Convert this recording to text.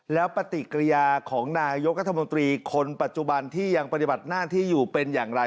แล้วปฏิกิริยาของนายกรัฐมนตรีคนปัจจุบันที่ยังปฏิบัติหน้าที่อยู่เป็นอย่างไร